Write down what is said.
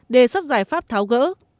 đề xuất giải pháp tháo gỡ